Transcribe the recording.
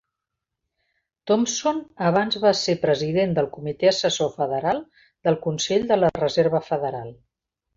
Thompson abans va ser president del Comitè Assessor Federal del Consell de la Reserva Federal.